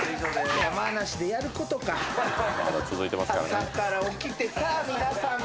朝から起きてさ皆さんも。